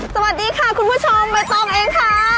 สวัสดีค่ะคุณผู้ชมใบตองเองค่ะ